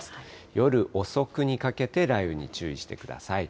夜遅くにかけて雷雨に注意してください。